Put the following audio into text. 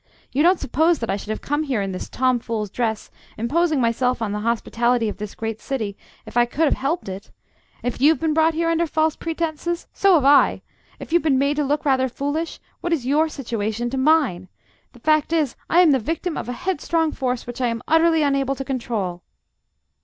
"You don't suppose that I should have come here in this Tom fool's dress, imposing myself on the hospitality of this great City, if I could have helped it! If you've been brought here under false pretences, so have I. If you've been made to look rather foolish, what is your situation to mine? The fact is, I am the victim of a headstrong force which I am utterly unable to control...."